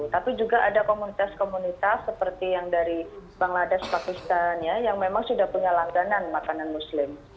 tapi juga ada komunitas komunitas seperti yang dari bangladesh pakistan yang memang sudah punya langganan makanan muslim